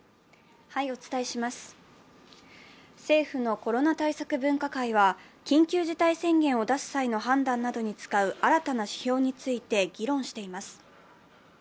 政府のコロナ対策分科会は緊急事態宣言を出す際の判断などに使う新たな指標について議論しています。